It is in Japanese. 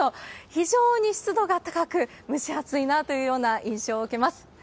非常に湿度が高く、蒸し暑いなというような印象を受けます。